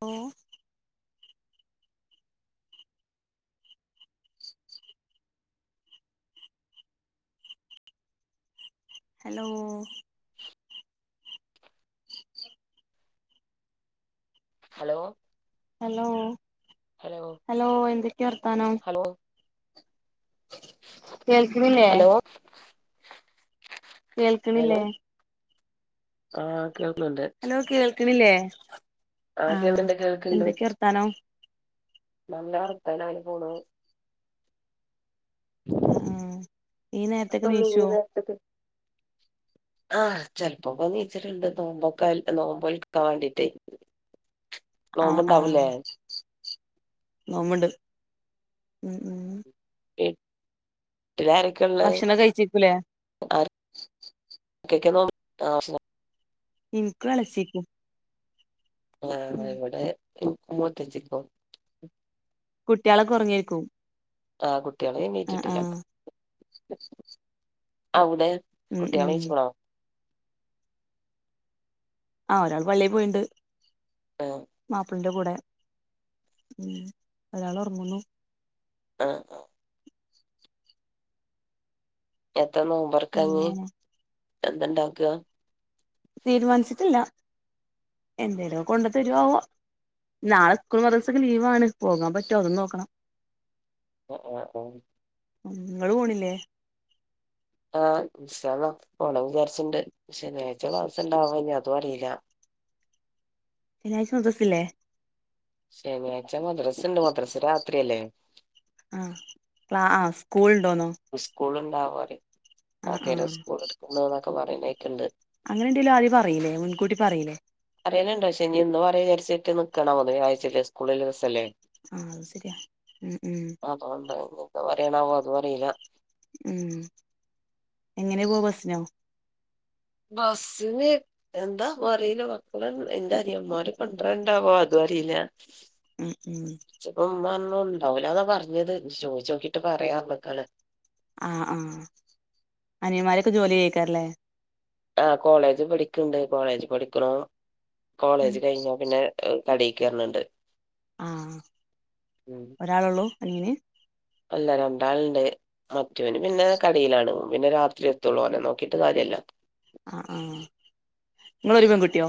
ഓ hello [inaudible] [unintelligible] hello hello hello എന്തൊക്കെയാ വർത്താനം hello കേൾകിണില്ലേ ഹലോ കേൾക്കണില്ലേ ആഹ കേൾക്ണണ്ട് ണില്ലേ ആഹ കേൾക്കണ്ട് എന്തൊക്കെ വർത്താനം നല്ല വർത്താനം അങ്ങനെ പോണു ആ ആ ഈ നേരത്തൊക്കെ നീചൊ ആ ചെൽപ്പോക്കെ നീച്ചല്ണ്ട് നോമ്പൊക്ക നോമ്പോൽകാൻ വാണ്ടിട്ട് ആ ആ നോമ്പ്ണ്ട് ഉം ഉം വിട്ടില് ആരൊക്കെ ള്ളത് ഭക്ഷണം കഴിച്ചേക്കൂലേ അരൊ [inaudible] ഇൻക്കും ഇളേച്ചിക്കും ആ ഇവിടെ ഇൻക്കും മൂത്തച്ചിക്കും കുട്ട്യാളൊക്കെ ഒറങ്ങേക്കും ആ കുട്ട്യാള് എണീറ്റിട്ടില്ല അവടെ ഉം കുട്ട്യാള് ഉം നീച്ച്ക്ക്ണോ ആ ഒരാള് പള്ളി പോയിണ്ട് ആഹ് മാപ്ലന്റെ കൂടെ ഒരാൾ ഒർങ്ങുന്നു ആ ആ എത്ത നോമ്പൊർക്കാഞ്ഞി പിന്നെ എന്തണ്ടാക്ക തീരുമാനിച്ചിട്ടില്ല എന്തേലോ കൊണ്ട് തരോവോ നാളെ സ്കൂളും മദ്രാസൊക്കെ ദിവസക്കെ ലീവാണ് പോകാൻ പറ്റോ അതും നോക്കണം [inaudible] ങ്ങള് പോണില്ലേ ആ ഇന്ഷാ അല്ലാഹ് പോണം വിചാരിച്ച്ണ്ട് ശനിയാഴ്ച ക്ലാസ്സ്‌ണ്ടാവോ ഇനി അതും അറില്ല ശനിയാഴ്ച മദ്രസില്ലേ ശനിയാഴ്ച മദ്രസ്ണ്ട് മദ്രസ് രാത്രിയല്ലേ ആ ക്ലാ ആ സ്കൂൾ ഉണ്ടോന്നോ സ്കൂൾ ഉണ്ടാവറിയും ആ ആ [unintelligible] സ്കൂൾ ഇട്ക്ക്ണ്ട് എന്നൊക്കെ പറയ്ണേക്ക്ണ്ട് അങ്ങനെണ്ടേല് ആദ്യം പറീലേ മുൻകൂട്ടി പറീലേ [unintelligible] പക്ഷെ ന്ന് പറയ വിചാരിച്ചിട്ട് നിക്കാണോ [unintelligible] സ്കൂള്ള്ള ദിവസല്ലേ ആ അത് ശെരിയാ ഉം ഉം [unintelligible] പറയ്ണാവോ അതുറീല ഉം എങ്ങനെ പോവ ബസ്സിനോ ബസ്സിന് എന്താവോ റില മക്കള് ന്റെ അനിയന്മാര് [unintelligible] [unintelligible] ഉം ഉം ഉണ്ടാവൂല ന്നാ പറഞ്ഞത് ചോയ്ചോക്കിട്ട് പറയാർഞ്ക്കാണ് ആ ആ അനിയന്മാരൊക്കെ ജോലി ചെയ്യേയ്ക്കാരം ല്ലേ ആ കോളേജ് പഠിക്ക്ണ്ട് കോളേജ് പഠിക്കണം ഉം കോളേജ് കഴിഞാ പിന്നെ കടേക്കേർന്ണ്ട് ആ ഒരാളൊള്ളൂ അനിയന് അല്ല രണ്ടാള്ണ്ട് മറ്റോന് പിന്നെ കടേലാണ് പിന്നെ രാത്രി എത്തുള്ളു ഓനെ നോക്കിട്ട് കാര്യല്ല ആ ആ ങ്ങള് ഒരു പെൺകുട്ട്യോ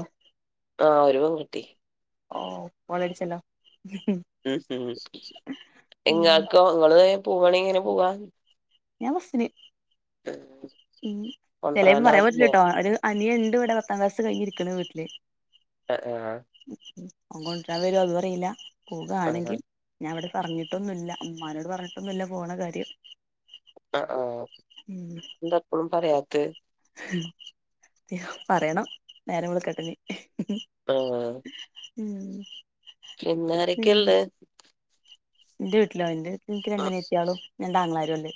ആ ഒരുപെൺകുട്ടി ഓ കോളടിച്ചല്ലോ ഹ് ഹ് ഉം ഇങ്ങൾക്കോ ഇങ്ങള് പോവാണെങ്കി എങ്ങനെ പോവാ ഞാൻ ബസ്സിന് ചെലേപ്പം പറയാൻ പറ്റൂല്ല കൊണ്ടരാനാരുല്ലേ ട്ടോ ഒരു അനിയണ്ട് വ്ടെ പ ത്താം ക്ലാസ്സ്‌ കഴിരിക്ക്ണ് വീട്ടില് ആ ഓൻ കൊണ്ട്രാൻ വെരോ അതും അറീല ആ ആ പോകാണെങ്കിൽ ഞാൻ ഇവിടെ പറഞ്ഞിട്ടൊന്നുല്ല മ്മാനോട് പറഞ്ഞിട്ടൊന്നുല്ല പോണ കാര്യം ആ ആ ഉം എന്തപ്പളും പറയാത്ത് - പറയണം നേരം വെളുക്കട്ടെനി ആ ഉം പിന്നാരൊക്കെ പിന്നെ ള്ളത് എന്റെ വീട്ടിലോ എന്റെ വീട്ടിൽ എനിക്ക് രണ്ടനിയത്തിയാളും രണ്ടാങ്ങളാരും ഉള്ളത്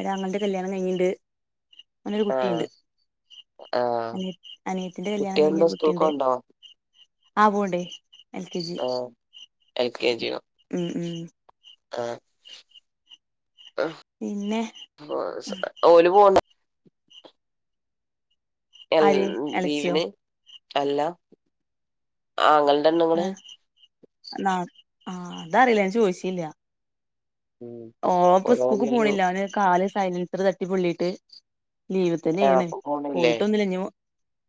ഒരാങ്ങളുടെ കല്യാണം കൈഞ്ഞിണ്ട് ഓനൊരു ആ കുട്ടിയുണ്ട് ആ അന അനിയത്തിന്റെ കുട്ടി കല്യാണം എന്താ കഴിഞ്ഞൊരു സ്കൂൾക്ക് കുട്ടിയുണ്ട് പോണ്ടോ ആ പോവ്ണ്ട് എൽ കെ ജി ആ എൽ കെ ജിയോ ഉം ഉം ആ പിന്നെ ആ ഓല് പോണ്ട എ ആര് എളച്ചിയോ ലീവ്ന് അല്ല ആങ്ങ ആഹ് എന്നാ ആഹ് അതറിയില്ല ഞാൻ ചോദിച്ചില്ല ഓപ്പ സ്കൂൾക്ക് ഓരോന്നിലും പോണില്ല അവന് കാല് സൈലൻസർ തട്ടി പൊള്ളിട്ട് ലീവ് തന്നെെയണ് അപ്പൊ പോണില്ലേ പോയിട്ടൊന്നില്ലഞ്ഞ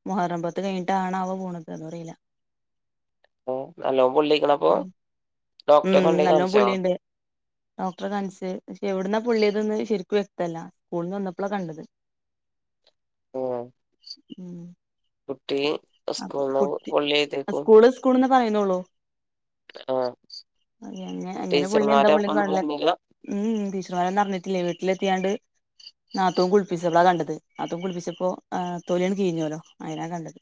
മുഹറം പത്ത് കഴിഞ്ഞിട്ടാണോ അവൻ പോണത് ന്ന് അറിയില്ല നല്ലോം പൊള്ളിക്ക്ണൊ അപ്പം ഉം നല്ലോ പുള്ളിയുണ്ട് ഡോക്ടറെ കാണിച്ച് പക്ഷെ എവിടുന്നാ പുള്ളിയത്ന്ന് ശരിക്കും വ്യക്തല്ല സ്കൂള് ന്ന് വന്നപ്പോളാ കണ്ടത് ആഹ ഉം സ്കൂൾന്ന് [unintelligible] പൊള്ളി എഴുതേക്കും അസ്കൂൾ സ്കൂൾ. പറയുന്നുോള്ളൂ ആ ആ അങ്ങനെ പുള്ളി എന്താ ടീച്ചർമാര് പുള്ളിന്ന് അപ്പൊന്നും കാണില്ല പറഞ്ഞില്ല ഉം ടീച്ചർമാരൊന്നും അറി ച്ചിട്ടില്ല വിട്ടില് ലെത്തിയാണ്ട് നാത്തും കുളിപ്പിച്ച പ്പളാ കണ്ടത് നാത്തും കുളിപ്പിച്ചപ്പോ തൊലിയണ് കീഞ്ഞല്ലോ അയിലാ കണ്ടത്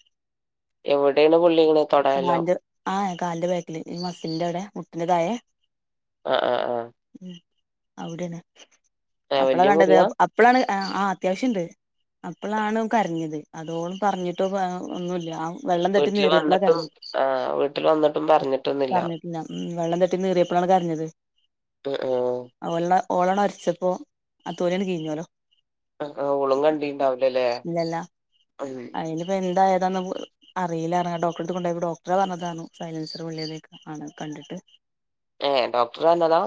എവിടെയാണ് പൊള്ളിക്കണെ തൊടേലോ കാലിന്റെ ആഹാ കാലിന്റെ ബാക്കിൽ ഈ മസിലിന്റെ വിടെ [unintelligible] ആഹ ആഹ ആഹ അവിടൊണ് ആ അപ്പളാ വല്യ കണ്ടത് മുറിവാ അപ്പളാണ് ആ അത്യാവശ്യണ്ട് അപ്പോളാണ് ന്കരഞ്ഞത് അതോളും പറഞ്ഞിട്ടോ ഒന്നുമില്ല ആ വെള്ളം തട്ടി വീട്ടില് നിറിയപളാ വന്നിട്ടും കരഞ്ഞത് ആ വീട്ടിൽ വന്നിട്ടും പറഞ്ഞിട്ടൊന്നുല്ല പറഞ്ഞിട്ടില്ല ഉ വെള്ളം തട്ടി നിറിയപ്പോഴാണ് കരഞ്ഞത് ഉം ഉം ആ വെള്ള [unintelligible] ഓളാ ട്ട് ഒരച്ചപ്പോ ആ തോലിയാട്ട് കിഴിഞ്ഞല്ലോ ഹ് ഓളും കണ്ടിണ്ടാവലല്ലേ ഉ അതാ അറിയില്ലഡോക്ടറെ അടുത്ത് കൊണ്ടോയപ്പളാണ് ഡോക്ടറാ പറഞ്ഞത് സൈലൻസർ പേള്ളിയതാണന്ന് ആണ് കണ്ടിട്ട് ഏ ഡോക്ടറന്നതാ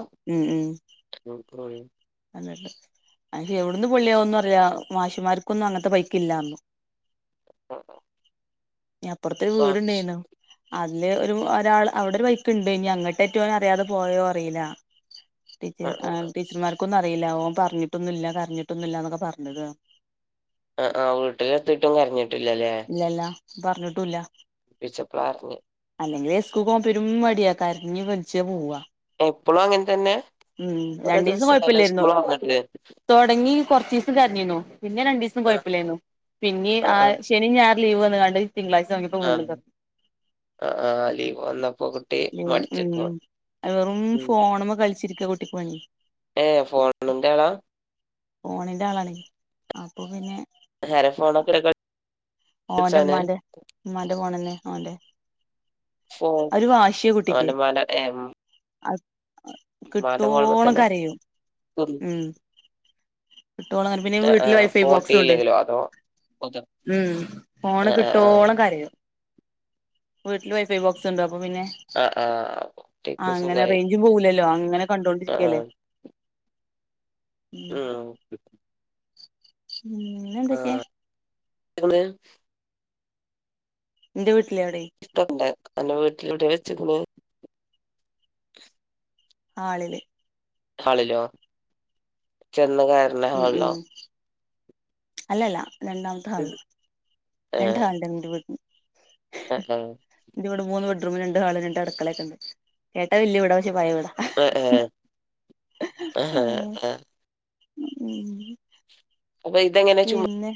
[unintelligible] അയ്ന്എവിടന്ന് പൊുള്ളിയന്ന് അറില മാഷിമാർക്കൊന്നും അങ്ങനത്തെ ബൈക്ക ഇല്ല റന്നു [unintelligible] ഞ അപ്പുറത്ത ഒരു ആ വീടുണ്ടായിരുന്നു അതില് ഒരു ഒരാൾ അവിടെ ഒരു ബൈക്ക് ഇടായിന് അങ്ങോട്ട് അറ്റെ ഒന് അറിയാത്ത പോയോ അറിയില്ല ടീച്ച ആ ടീച്ചർമാർ ക്ക്ഒന്നും അറീല ഓന് പറഞ്ഞിട്ടൊന്ന് ഇല്ല കരഞ്ഞിട്ടൊന്നുമില്ല എന്നൊക്കെ പറഞ്ഞത് ആ ആഹ് വീട്ടിലെത്തിട്ടും കരഞ്ഞിട്ടില്ലല്ലേ പറഞ്ഞിട്ടുംല്ല വിളിച്ചപ്പോളാ അറിഞ്ഞത് സ്കൂൾ പോവാൻ പേരും മടിയ കരഞ്ഞു പ്പിടിച്ച പോവാ ഇപ്പോളും അങ്ങനെ തന്നെ ഉം ഒരേ ദിവസാലോ സ്കൂള [unintelligible] തുടങ്ങി കുറച്ച ദിവസം കരഞ്ഞിന്നു പിന്നെ രണ്ടു ദിവസം ആ കുഴപ്പില്ലായിന്നു പിന്നെ ആ ശനി ഞായർ ലീവ് വന്നകണ്ട് തിങ്കളാഴ്ച ഓന്റ പ്പം വിട്ന്ന് ആ ആ ആ ലീവ് വന്നപ്പോ കുട്ടി മടിച്ചക്ക [unintelligible] മ്മം വെറും ഉം ഫോണിമ്മേ കളിച്ച ചിരിക്ക കുട്ടിക്ക് പണി ഏ ഫോട്ടുളന്റെആളാ ഫോണിന്റെ ആളാണ് അപ്പൊ പിന്നെ ഹരെ ഫോണ [unintelligible] ഓന്റെ ഉമാന്റെ ഉമ്മാന്റെ പോണല്ലെ ഓന്റെ ഫോൺ ഒരു വാശിയ കുട്ടിക്ക് ഓന്റെ മ്മാന്റെ ഏ അത് മ്മാന്റെ ഫോൺമ്മെ കിട്ടോളം തന്നെ കരയും ഉം കിട്ടോളോ [unintelligible] പിന്നെ ആ ആ വീട്ടില് വൈഫൈ ഫോൺ ബോക്സ് ഉണ്ട് കിട്ടിയില്ലെങ്കിലോ അതോ അതോ ഉം ആ ഫോണ് ആ കിട്ടോളം കരയും വീട്ടില് വൈഫൈ ബോക്സ് ഉണ്ട് പോവിനെ ആ ആ ആ [unintelligible] ആ കുട്ടിക്ക് അങ്ങനെ സുഖായി റേഞ്ചും പോവലല്ലോ അങ്ങനെ ആ കണ്ടോണ്ടിരിക്കല്ലേ ഉം ആഹ പിന്നെ ആ എന്തൊക്കെയാ ബൈക്ക് എന്റെ വീട്ടിൽ ഇഷ്ടം ഉണ്ട് അന്റെ വീട്ടിൽ എവിടെയാ വെച്ച്ക്കണേ ആളില് ഹാളിലോ ചെന്ന് കറുന്ന ഉം ഉം ഹാളിലോ അല്ലല്ല രണ്ടാമത്തെ ഹാള്ൽ ഏ രണ്ട് ഹാള്ണ്ട് ന്റെ വീട്ന് ആഹ് ആഹ് ന്റെ വീട് മൂന്ന് ബെഡ് റൂമ് ല്ണ്ട് ഹാൾല് ണ്ട് അടക്കളേണ്ട് കേട്ട വല്ല്യ വീടാ പക്ഷേ പയേവീടാ അ ആ അഹാ ഉം ഹ അപ്പൊ ഇതെങ്ങനെ ചുമ പിന്നെ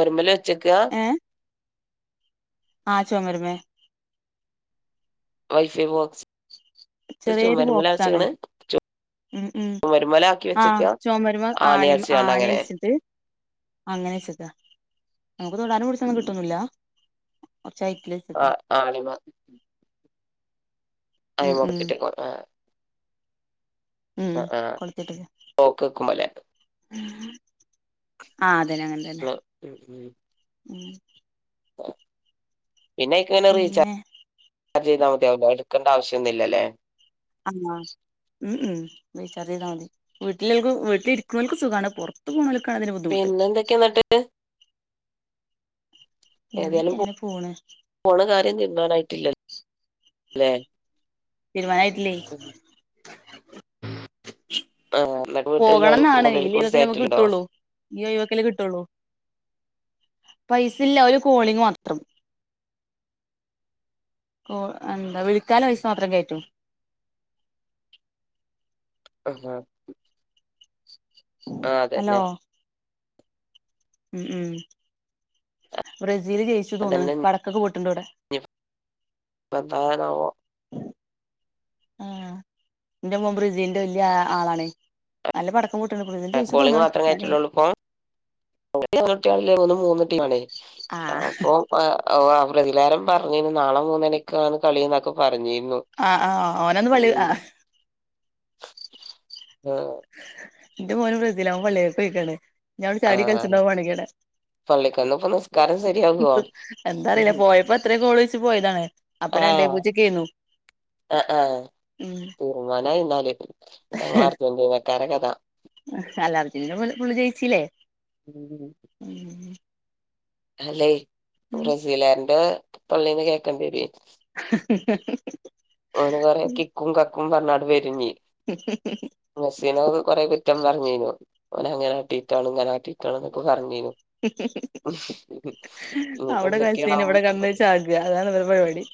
പൊരമ്മല് വെച്ചക്കാ ഏ ആ ചൊമര്മ്മെ വൈഫൈ ബോക്സ് ചെറ്യേരു ചുമരുമ്മലാ ബോക്സാണ് വെച്ച്ക്ക്ണ് ഉം ഉം ചുമരുമ്മലാക്കി ആഹ് വെച്ചക്കാ ചൊമര്മ്മെ ആണി ആണിയാര്ച്ചാണ്ട് ആണി അങ്ങനെ വെച്ചിട്ട് അങ്ങനെ ച്ചക്കാ നമുക്ക് തൊടാനും പിട്ച്ചാനും കിട്ടൊന്നുല്ല കൊറച്ച് ഹൈറ്റില് ആ വെച്ചക്കാ ആണിമ്മെ അയി ഉം ഉം [unintelligible] ഉം ആ ആഹ് ക്ളോക്കെക്കുമ്പോലെ ആത് പിന്നെ ഉം ഉം ഉം പിന്ന യ്ക്ക്‌ങ്ങനെ റീച്ചാ പിന്നെ അത് ചെയ്താ മത്യാവുല്ലേ ഇട്ക്കണ്ടാവശ്യം ഒന്നുല്ലല്ലേ അന്നോ ഉം ഉം റീചാർജ് ചെയ്താ മതി വീട്ടിളോൽക്ക് വീട്ടിലിരിക്ണോൽക്ക് സുഖാണ് പൊർത്ത് പോണോൽ പിന്നെ ന്തൊക്കെയാ ന്നട്ട് പിന്നെക്കെ ഏതായാലും അങ്ങനെ പോണ് പോണ കാര്യം തീർമാനായിട്ടില്ലലെ തിരുമാനായിട്ടില്ലെ ആഹ് ന്നട്ട് വീട്ടില്ലോല് പോകണന്നാണ് ഈ മൊബൈല്ക്ക് ബിസി ലീവൊക്കല്ലെ മ്മക്ക് ആയിട്ട്ണ്ടോ കിട്ടൊള്ളൂ ഈ ഒഴിവൊക്കല്ലേ കിട്ടൊള്ളൂ പൈസേല്ല ഒരു കോളിങ് മാത്രം കോ എന്ത വിളിക്കാള്ള പൈസ മാത്രം കേറ്റും ആഹാ ഹലോ ഉ ഉം ബ്രസീല് ജയിച്ചു തോന്ന്ണ് അതന്നെ പടക്കൊക്കെ പൊ ണ്ടൂടെ പ്പെന്തായാനാവോ? ആ എന്റെ മോൻ ബ്രസീൽന്റെ വല്ല്യ ആളാണേ നല്ല പട ഏ കോളിംഗ് മാത്രം കേറ്റലൊള്ളൂ പ്പം ങ്ങക്കെത്ര കുട്ട്യാള ള്ളെ [unintelligible] മൂന്നുട്ട്യളാണേ [unintelligible] ആഹ് അപ്പം അ ഓ അ [unintelligible] പറഞ്ഞിനി നാളെ മൂന്നണിക്കാണ് കളീന്നൊക്കെ പറഞ്ഞീ ആഹ് ആഹ് ഓനന്ന് പള്ളി ആഹ് ആഹ് ന്റെ മോനും ബ്രസീല ഓൻ പള്ളീല് പോയേക്കാണ് ഞാവടെ ചാടി ആഹ് കളിച്ണ്ടാവും [unintelligible] മാണെങ്കി ആടെ പള്ളിക്കന്ന് ഇപ്പൊ നിസ്കാരം ശരിയാകുവോ എന്താറില്ല പോയപ്പോ ആത്രേ ഗോളോയ്ച്ച് പോയതാണ് അപ്പ രണ്ടേ ആഹ് പൂജ്യക്കേന്നു ആഹ് ആഹ് തീരുമാനായിന്നാല് ഓൻ അർജന്റിന്നെ [unintelligible] ഫുൾ ഫുള്ള് ജയിച്ചില്ലേ അല്ലെ ബ്രസിലാരന്റെ തൊള്ളിന്ന് കേക്കണ്ടിരുവെ ഓന് കൊറെ കിക്കും കക്കും പർഞ്ഞാട്ട് വെരുംഞ്ഞെ മെസ്സിനൊക്കെ കൊറെ കു റ്റം പറഞ്ഞേനു. ഓനങ്ങനാട്ടീട്ടാണ് ങ്ങനാട്ടീട്ടാണ് ന്നൊക്കെ പറഞ്ഞേനു. അവിടെ കൾചേന് എന്തൊക്കെയാണാവോ വടെ കട്ന്ന് പറ്റുന്നത് ചാക അതാണ് വരെ പര്പാടി.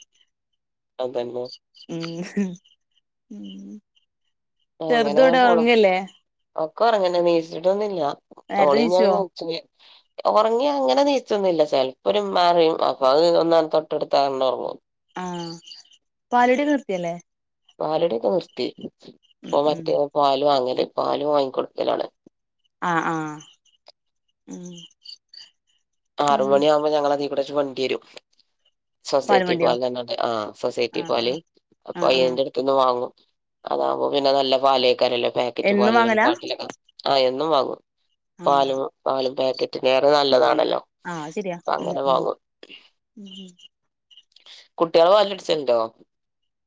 അതെന്നെ ഉം മ്മ്ഹ് ഉം ചെറുതവടെ ഒറങ്ങല്ലേ ഒക്കൊറങ്ങനെ നീച്ചിട്ടൊന്നില്ല നേരത്തെ നീച്ചോ ഓളിഞ്ഞൊറങ്ങും [unintelligible] [inaudible] ഒറങ്ങി അങ്ങനെ നീച്ചൊന്നില്ല ചെലപ്പൊരിമ്മാറിയും അപ്പൊ അത് ഒന്നാണ്ട് തൊട്ടൊടുത്ത അങ്ങനൊറങ്ങും ആ പാലുടി നിറുത്തിഅല്ലേ പാലുടി ഒക്കെ നിർത്തി ഇപ്പൊ ഉം മറ്റേ പാല് വാങ്ങല് പാല് വാങ്ങിക്കൊട്ക്കലാണ് ആ അ മ് ആറു മണി ആകുമ്പോ ഞങ്ങളതീ കുടൊക്കെ വണ്ടി വരും പാലും സൊസൈറ്റി വണ്ടിയോ പാൽന്നറിഞ്ഞിട്ട് ആ സൊസൈറ്റി ആഹ് പാല് ആഹ് ആ ആഹ് ആഹ് പയ്യന്റെ ടുത്ത്ന്ന് വാങ്ങും അതാവുമ്പോ പിന്നെ നല്ല പാലേക്കാരല്ലേ പേക്കറ്റ് എന്നും പാല് വാങ്ങലാ കാട്ടിലൊക്കെ ആ എന്നും വാങ്ങും ആഹ് പാലു പാലുംപാക്കറ്റി ലേറെ നല്ലതാണല്ലോ ആ സരിയാ അപ്പൊ മ് അങ്ങനെ മ് കുട്ട്യാൾ പാലുടിച്ചലുണ്ടോ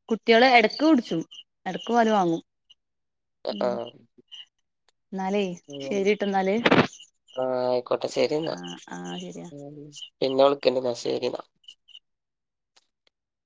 കുട്ട്യാള് എടക്ക് കുടിച്ചും എടക്ക് പാല് വാങ്ങും ആഹ് എന്നാലേയ് ശരിട്ടൊന്നാല് ആ ആയിക്കോട്ടെ ശെരിന്നാ ശരിയാ പിന്നെ വിളിക്കണ്ട്ന്നാ [unintelligible]